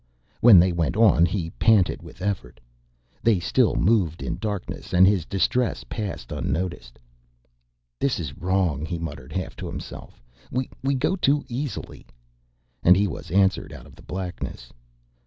When they went on he panted with effort. They still moved in darkness and his distress passed unnoticed. "This is wrong," he muttered, half to himself. "We go too easily " And he was answered out of the blackness.